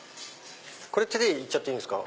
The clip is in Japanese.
これ手でいっていいんですか？